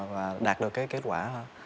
và đạt được kết quả